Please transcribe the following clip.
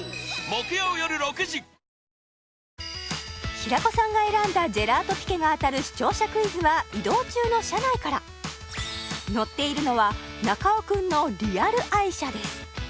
平子さんが選んだｇｅｌａｔｏｐｉｑｕｅが当たる視聴者クイズは移動中の車内から乗っているのは中尾君のリアル愛車です！